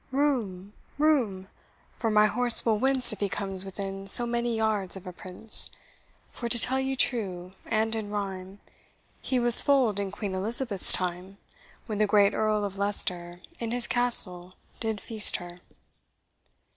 Room! room! for my horse will wince If he comes within so many yards of a prince; For to tell you true, and in rhyme, He was foal'd in Queen Elizabeth's time; When the great Earl of Lester In his castle did feast her.